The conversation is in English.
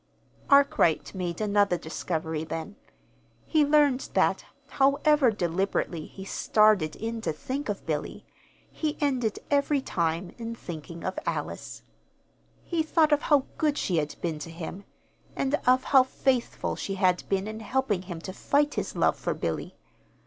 Arkwright made another discovery then. He learned that, however deliberately he started in to think of Billy, he ended every time in thinking of Alice. He thought of how good she had been to him, and of how faithful she had been in helping him to fight his love for Billy.